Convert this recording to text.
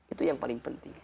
itu yang paling penting